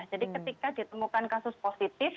jadi ketika ditemukan kasus positif